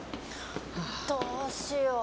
どしよう。